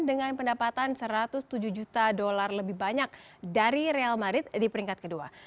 dengan pendapatan satu ratus tujuh juta dolar lebih banyak dari real madrid di peringkat kedua